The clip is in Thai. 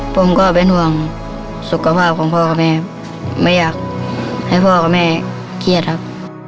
ผมก็เป็นห่วงสุขภาพของพ่อกับแม่ไม่อยากให้พ่อกับแม่เครียดครับ